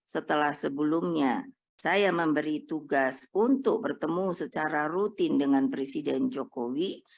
setelah sebelumnya saya memberi tugas untuk bertemu secara rutin dengan presiden jokowi